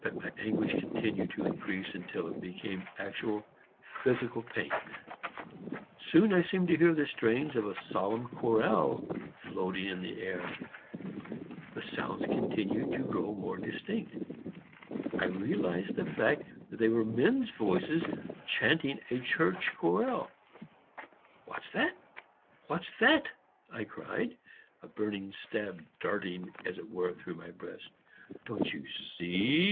But my anguish continued to increase until it became actual physical pain. Soon I seemed to hear the strains of a solemn chorale floating in the air; the sounds continued to grow more distinct; I realized the fact that they were men's voices chanting a church chorale. "What's that? what's that?" I cried, a burning stab darting as it were through my breast. "Don't you see?"